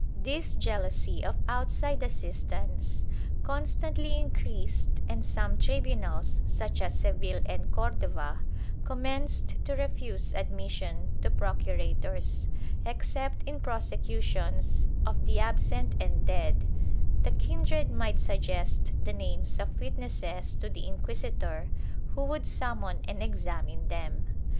Ill 4 60 T^^ TRIAL [Book VI This jealousy of outside assistance constantly increased and some tribunals, such as Seville and Cordova, commenced to refuse admission to procurators, except in prosecutions of the absent and dead; the kindred might suggest the names of witnesses to the inquisitor, who would summon and examine them.